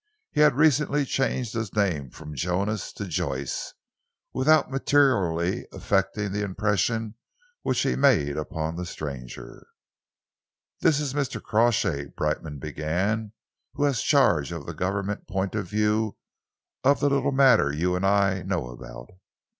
He had recently changed his name from Jonas to Joyce, without materially affecting the impression which he made upon the stranger. "This is Mr. Crawshay," Brightman began, "who has charge from the Government point of view, of the little matter you and I know about."